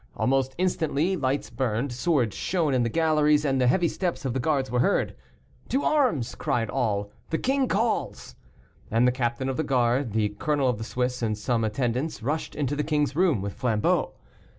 Almost instantly lights burned, swords shone in the galleries, and the heavy steps of the Guards were heard. "To arms!" cried all, "the king calls." And the captain of the guard, the colonel of the Swiss, and some attendants, rushed into the king's room with flambeaux.